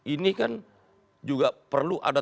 ini kan juga perlu ada